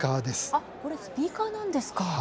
これスピーカーなんですか？